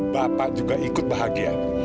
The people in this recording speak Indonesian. bapak juga ikut bahagia